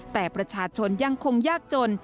แต่ประชาชนยังคงยากจน